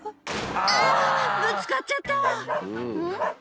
あっぶつかっちゃったんっ？